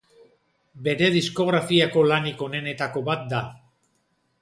Bere diskografiako lanik onenetako bat da.